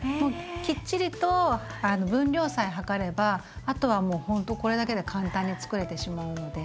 きっちりと分量さえ量ればあとはもうほんとこれだけで簡単につくれてしまうので。